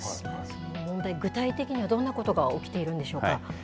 その問題、具体的にはどんなことが起きているんでしょうか。